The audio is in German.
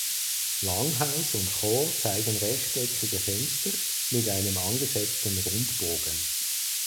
Langhaus und Chor zeigen rechteckige Fenster mit einem angesetzten Rundbogen.